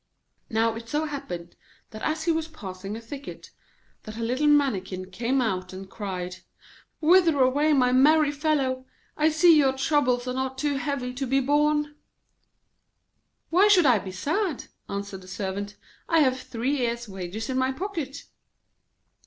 Now it so happened that as he was passing a thicket, that a little Mannikin came out and cried: 'Whither away, my merry fellow? I see your troubles are not too heavy to be borne.' 'Why should I be sad?' answered the Servant. 'I have three years' wages in my pocket.'